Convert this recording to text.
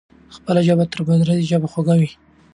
خپله ژبه تر پردۍ ژبې خوږه وي.